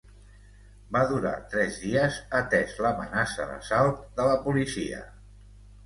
Va durar tres dies atès l'amenaça d'assalt de la policia.